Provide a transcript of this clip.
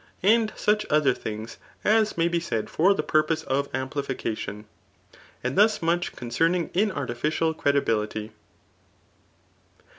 And 8uch other things as may be said for the purpose of amplificatioa. And thus much concerning inartificial credibility.